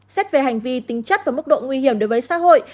xét về hành vi tính chất và mức độ nguy hiểm đối với xã hội